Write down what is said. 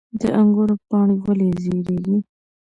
د انګورو پاڼې ولې ژیړیږي؟